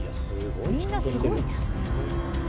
みんなすごいな。